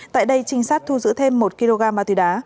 tại đây trinh sát thu giữ thêm một kg ma túy đá